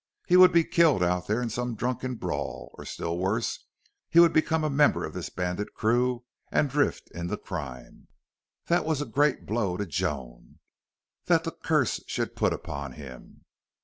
He would be killed out there in some drunken brawl, or, still worse, he would become a member of this bandit crew and drift into crime. That was a great blow to Joan that the curse she had put upon him.